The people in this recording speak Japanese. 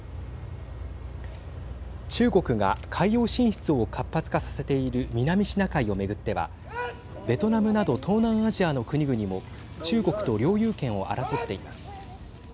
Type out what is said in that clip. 中国が海洋進出を活発化させている南シナ海を巡ってはベトナムなど東南アジアの国々も中国と領有権を争っています。